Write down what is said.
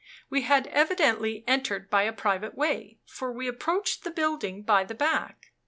We had evidently entered by a private way, for we approached the building by the back.